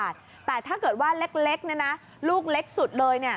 แต่ถ้าเกิดว่าเล็กลูกเล็กสุดเลย